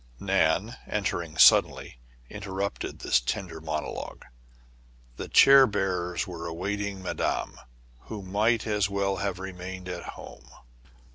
Nan, entering suddenly, interrupted this tender monologue. The chair bearers were awaiting madame, " who might as well have remained at home."